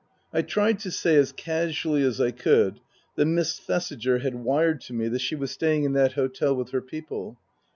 I tried to say as casually as I could that Miss Thesiger had wired to me that she was staying in that hotel with her people.